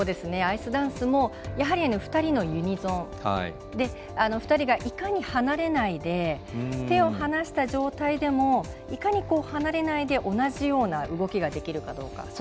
アイスダンスもやはり２人のユニゾンで２人がいかに離れないで手を離した状態でもいかに離れないで同じような動きができるかどうか。